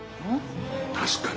確かに。